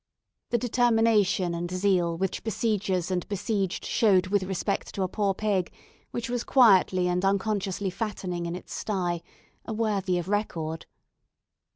The determination and zeal which besiegers and besieged showed with respect to a poor pig, which was quietly and unconsciously fattening in its sty, are worthy of record.